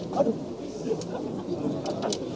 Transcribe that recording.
terima kasih sama siapa